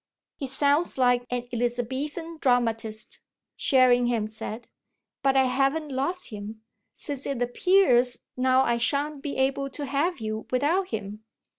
"He sounds like an Elizabethan dramatist," Sherringham said. "But I haven't lost him, since it appears now I shan't be able to have you without him."